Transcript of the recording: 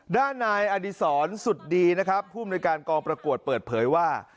ด้านนายอดีศรสุดดีนะครับผู้อำนวยการกองประกวดเปิดเผยว่า